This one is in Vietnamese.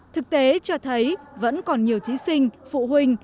thực tế cho thấy vẫn còn nhiều thí sinh phụ huynh